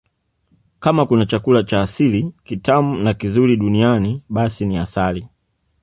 Kama kuna chakula cha asili kitamu na kizuri duniani basi ni asali